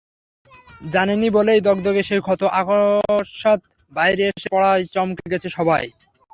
জানেনি বলেই দগদগে সেই ক্ষত অকস্মাৎ বাইরে এসে পড়ায় চমকে গেছে সবাই।